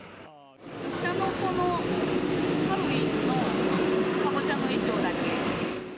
下の子のハロウィーンのかぼちゃの衣装だけ。